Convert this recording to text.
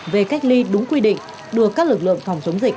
về cách ly đúng quy định đưa các lực lượng phòng chống dịch